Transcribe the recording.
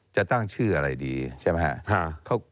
จะตั้งชื่ออะไรดีใช่ไหมครับ